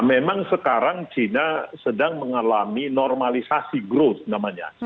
memang sekarang cina sedang mengalami normalisasi growth namanya